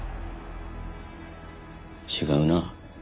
違うな。